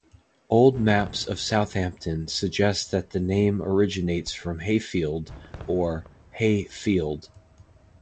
Old maps of Southampton suggest that the name originates from "Hayfield" or "Hay field".